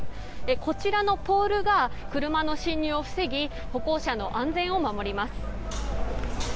こちらのポールが車の進入を防ぎ歩行者の安全を守ります。